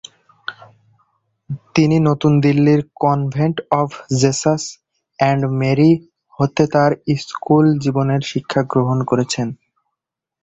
তিনি নতুন দিল্লির convent of Jesus and Mary হতে তাঁর স্কুল জীবনের শিক্ষা গ্রহণ করেছেন।